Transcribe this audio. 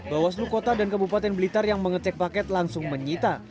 bawaslu kota dan kabupaten blitar yang mengecek paket langsung menyita